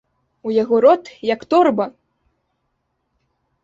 У яго рот, як торба!